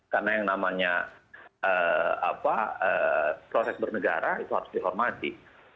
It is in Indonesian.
karena yang namanya proses bernegara itu harus dihormati